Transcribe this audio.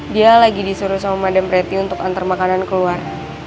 dia lagi disuruh sama madem pretty untuk antar makanan keluar